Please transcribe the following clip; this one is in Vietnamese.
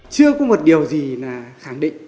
chưa có một điều gì khẳng định